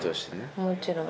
もちろん。